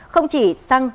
không chỉ xăng